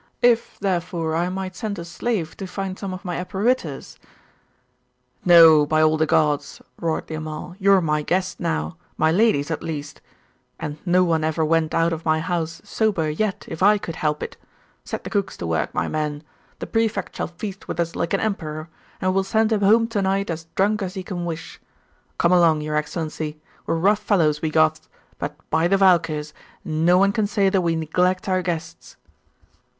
If, therefore, I might send a slave to find some of my apparitors ' 'No, by all the gods!' roared the Amal, 'you're my guest now my lady's at least. And no one ever went out of my house sober yet if I could help it. Set the cooks to work, my men! The Prefect shall feast with us like an emperor, and we'll send him home to night as drunk as he can wish. Come along, your Excellency; we're rough fellows, we Goths; but by the Valkyrs, no one can say that we neglect our guests!